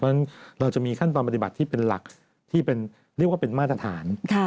เพราะฉะนั้นเราจะมีขั้นตอนปฏิบัติที่เป็นหลักที่เป็นเรียกว่าเป็นมาตรฐาน